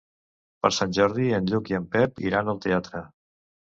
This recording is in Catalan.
Per Sant Jordi en Lluc i en Pep iran al teatre.